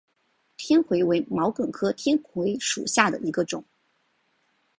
天葵为毛茛科天葵属下的一个种。